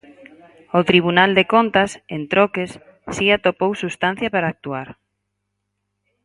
O Tribunal de Contas, en troques, si atopou substancia para actuar.